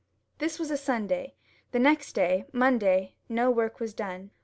This was a Sunday; the next day, Monday, no work was done.